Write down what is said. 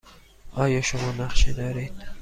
آیا شما نقشه دارید؟